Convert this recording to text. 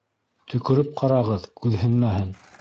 — Төкөрөп ҡарағыҙ, күҙһенмәһен.